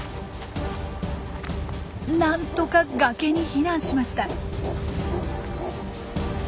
なんとか崖に避難しました。